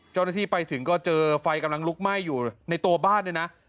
เจ้าหน้าที่ไปถึงก็เจอไฟกำลังลุกไหม้อยู่ในตัวบ้านด้วยนะ